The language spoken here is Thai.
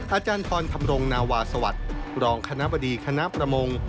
อาจารย์ทรธรรมรงนาวาสวัสดิ์รองคณะบดีคณะประมง